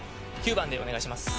９番でお願いします。